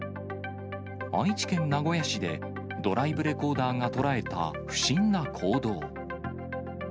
愛知県名古屋市で、ドライブレコーダーが捉えた、不審な行動。